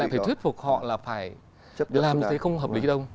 phải thuyết phục họ là phải làm như thế không hợp lý đâu